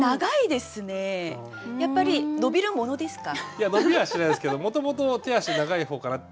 いや伸びはしないですけどもともと手足長い方かなって。